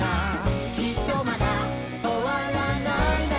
「きっとまだ終わらない夏が」